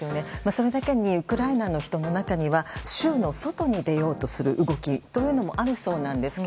それだけにウクライナの人の中には州の外に出ようとする動きというのもあるそうなんですが